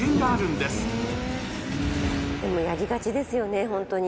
でもやりがちですよね、本当に。